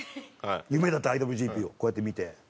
夢だったＩＷＧＰをこうやって見て。